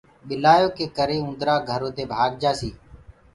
ٻلِآيآ ڪي ڪري اُوندرآ گھرو دي ڀآگجآسي۔